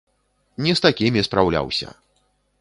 Не з такімі спраўляўся.